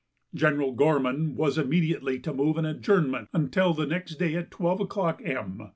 General Gorman was immediately to move an adjournment until the next day at 12 o'clock M.